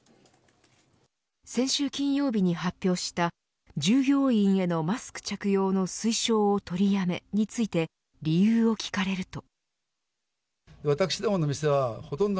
先週金曜日に発表した従業員へのマスク着用の推奨の取りやめについて理由を聞かれると。